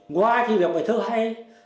ngoài khi là một bài thơ hay